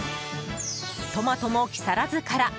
トマトも木更津から。